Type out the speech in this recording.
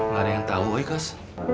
gak ada yang tau woy kas